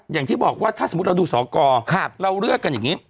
อย่างที่บอกว่าถ้าสมมุติเราดูสอกรเราเลือกกันอย่างนี้